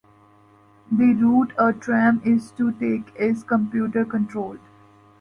The route a tram is to take is computer-controlled.